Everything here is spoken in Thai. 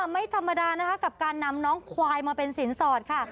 ไม่ธรรมดานะคะกับการนำน้องควายมาเป็นสินสอดค่ะ